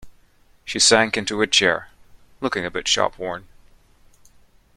She sank into a chair, looking a bit shop-worn.